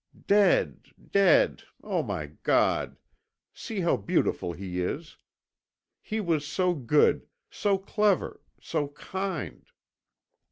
Dead! dead! O my God! See how beautiful he is. He was so good, so clever, so kind.